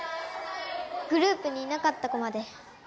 グループにいなかった子まで。